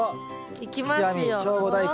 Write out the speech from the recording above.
いきますよ。